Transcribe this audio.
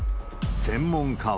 専門家は。